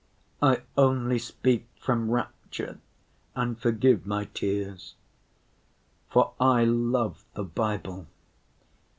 I only speak from rapture, and forgive my tears, for I love the Bible.